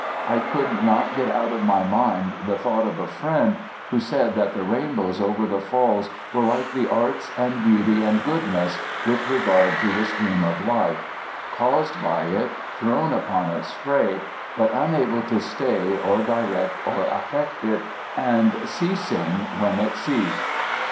I could not get out of my mind the thought of a friend, who said that the rainbows over the Falls were like the arts and beauty and goodness, with regard to the stream of life caused by it, thrown upon its spray, but unable to stay or direct or affect it, and ceasing when it ceased.